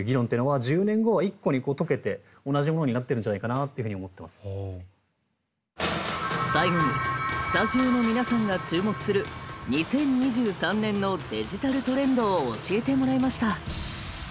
これと同じように最後にスタジオの皆さんが注目する２０２３年のデジタルトレンドを教えてもらいました。